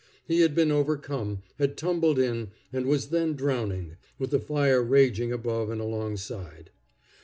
He had been overcome, had tumbled in, and was then drowning, with the fire raging above and alongside.